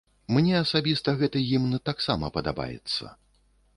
Мне асабіста гэты гімн таксама падабаецца.